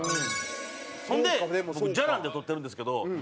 ほんで僕じゃらんで取ってるんですけど。